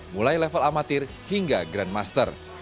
mulai level amatir hingga grandmaster